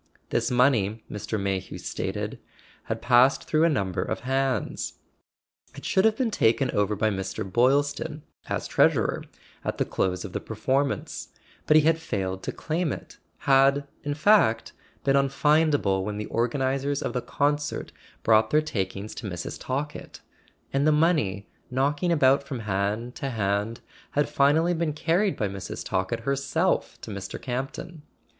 This money, Mr. May hew stated, had passed through a number of hands. It should have been taken over by Mr. Boylston, as treasurer, at the close of the performance; but he had failed to claim it—had, in fact, been unfindable when the organizers of the concert brought their takings to [ 367 ] A SON AT THE FRONT Mrs. Talkett—and the money, knocking about from hand to hand, had finally been carried by Mrs. Talkett herself to Mr. Campton.